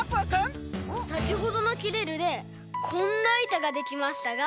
さきほどの「きれる」でこんないたができましたが。